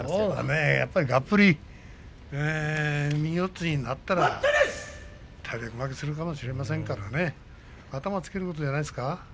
がっぷり右四つになったら体力負けするかもしれませんから頭をつけることじゃないですか。